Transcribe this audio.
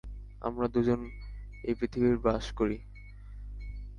আমরা দু জন এই পৃথিবীতেই বাস করি।